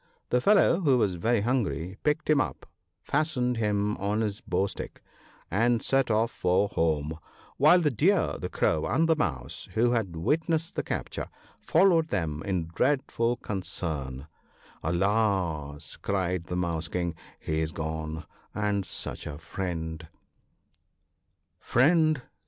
The fellow, who was very hungry, picked him up, fastened him on his bow stick, and set off for home ; while the Deer, the Crow, and the Mouse, who had witnessed the capture, followed them in dreadful concern. " Alas !" cried the Mouse king, " he is gone !— and such a friend !" Friend